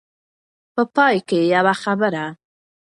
په پای کې يوه خبره.